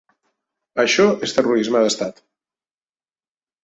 Això és terrorisme d’estat.